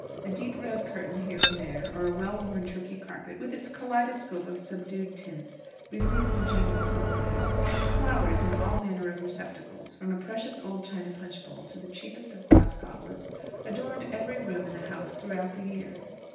A deep red curtain here and there, or a well worn Turkey carpet, with its kaleidoscope of subdued tints, relieved the general sombreness. Flowers in all manner of receptacles from a precious old china punch bowl to the cheapest of glass goblets adorned every room in the house throughout the year.